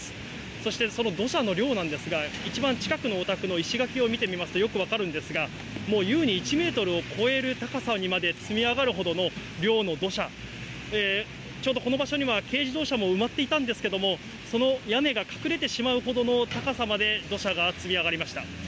そしてその土砂の量なんですが、一番近くのお宅の石垣を見てみますとよく分かるんですが、もう優に１メートルを超える高さにまで積み上がるほどの量の土砂、ちょうどこの場所には軽自動車も埋まっていたんですけれども、その屋根が隠れてしまうほどの高さまで土砂が積み上がりました。